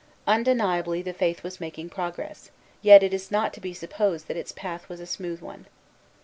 Undeniably, the Faith was making progress; yet it is not to be supposed that its path was a smooth one.